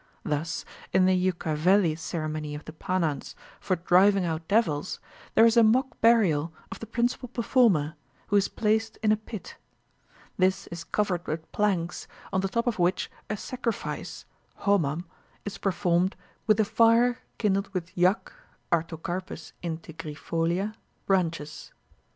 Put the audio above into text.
Thus, in the Ucchaveli ceremony of the Panans for driving out devils, there is a mock burial of the principal performer, who is placed in a pit. This is covered with planks, on the top of which a sacrifice (homam) is performed with a fire kindled with jak (Artocarpus integrifolia) branches.